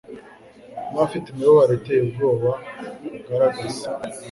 nabafite imibabaro iteye ubwoba ugaragaza